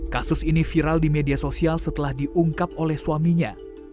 kasus ini viral di media sosial setelah diungkap oleh suaminya